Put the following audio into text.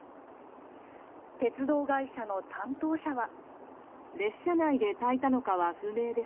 鉄道会社の担当者は。